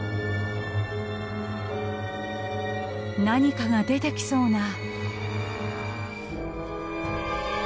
何かが出てきそうな。